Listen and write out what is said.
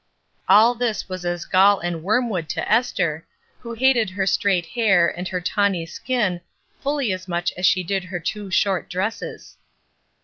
'^ All this was as gall and wormwood to Esther, who hated her straight hair and her tawny skin fully as much as she did her too short dresses.